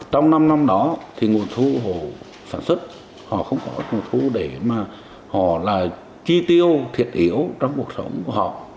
trong năm năm đó thì nguồn thu họ sản xuất họ không có nguồn thu để mà họ là chi tiêu thiệt yếu trong cuộc sống của họ